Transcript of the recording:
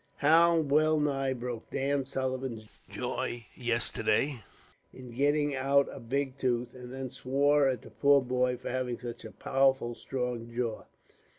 He well nigh broke Dan Sullivan's jaw, yesterday, in getting out a big tooth; and then swore at the poor boy, for having such a powerful strong jaw.